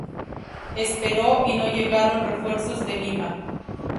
Esperó y no llegaron refuerzos de Lima.